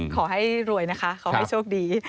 ขอให้รวยนะคะขอให้โชคดี